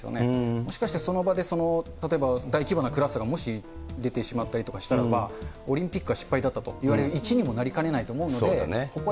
もしかして、その場で大規模なクラスターがもし出てしまったりとかしたらば、オリンピックは失敗だったといわれる一因にもなりかねないので。